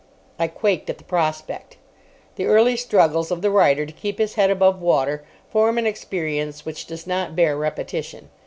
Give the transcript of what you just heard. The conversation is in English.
I quaked at the prospect. The early struggles of the writer to keep his head above water form an experience which does not bear repetition.